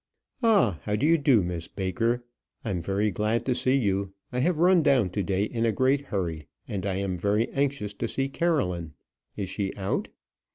"Ah, how do you do, Miss Baker? I'm very glad to see you. I have run down to day in a great hurry, and I am very anxious to see Caroline. Is she out?"